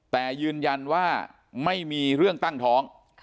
แต่ยืนยันว่าไม่มีเรื่องตั้งท้อง